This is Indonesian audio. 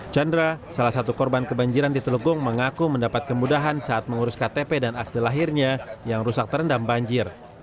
chandra salah satu korban kebanjiran di telunggung mengaku mendapat kemudahan saat mengurus ktp dan akte lahirnya yang rusak terendam banjir